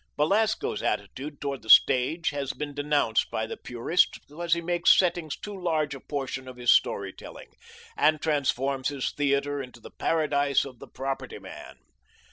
Belasco's attitude toward the stage has been denounced by the purists because he makes settings too large a portion of his story telling, and transforms his theatre into the paradise of the property man.